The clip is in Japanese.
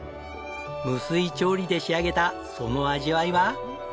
無水調理で仕上げたその味わいは？